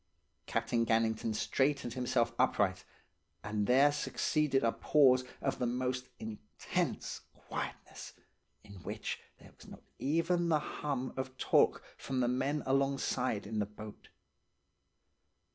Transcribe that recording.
"Captain Gannington straightened himself upright, and there succeeded a pause of the most intense quietness, in which there was not even the hum of talk from the men alongside in the boat.